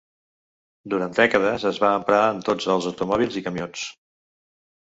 Durant dècades es va emprar en tots els automòbils i camions.